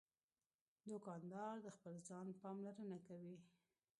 دوکاندار د خپل ځان پاملرنه کوي.